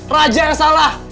raja yang salah